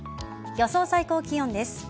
予想最高気温です。